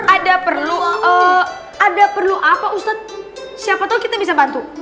ada perlu ada perlu apa ustadz siapa tahu kita bisa bantu